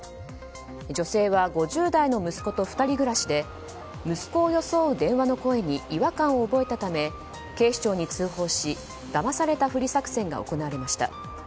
女性は５０代の息子と２人暮らしで息子を装う電話の声に違和感を覚えたため警視庁に通報しだまされたふり作戦が行われました。